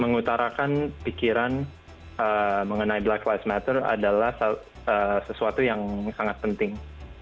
mengutarakan pikiran mengenai black live matter adalah sesuatu yang sangat penting